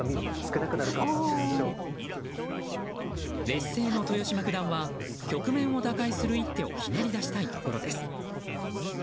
劣勢の豊島九段は局面を打開する一手をひねり出したいところです。